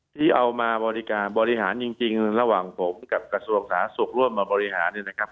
ที่เอามาบริการบริหารจริงระหว่างผมกับกระทรวงสาธารณสุขร่วมมาบริหารเนี่ยนะครับ